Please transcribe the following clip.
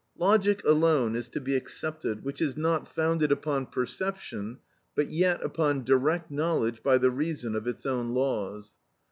(Logic alone is to be excepted, which is not founded upon perception but yet upon direct knowledge by the reason of its own laws.)